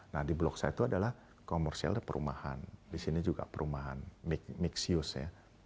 nah di blok satu adalah komersial dan perumahan di sini juga perumahan mixius ya